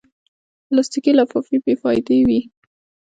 پلاستيکي لفافې بېفایدې وي.